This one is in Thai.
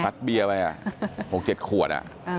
ซัดเบียร์ไว้๖๗ขวด